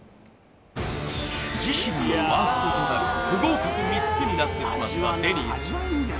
自身のワーストとなる不合格３つになってしまったデニーズ